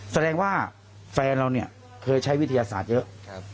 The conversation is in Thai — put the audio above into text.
แสดงว่าแฟนเราเนี่ยเคยใช้วิทยาศาสตร์เยอะ